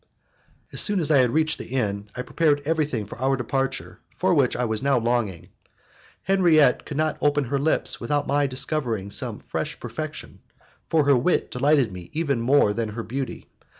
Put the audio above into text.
As soon as I had reached the inn, I prepared everything for our departure for which I was now longing. Henriette could not open her lips without my discovering some fresh perfection, for her wit delighted me even more than her beauty.